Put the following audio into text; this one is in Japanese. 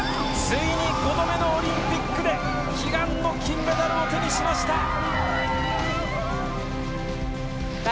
ついに５度目のオリンピックで悲願の金メダルを手にしました！